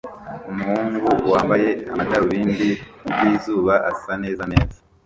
Umuhungu wambaye amadarubindi y'izuba asa neza neza